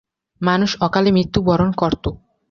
মানুষ অকালে মৃত্যু বরন করতো।